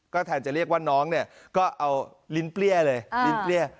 ก็แทนจะเรียกว่าน้องเนี้ยก็เอาลิ้นเปรี้ยเลยอ่า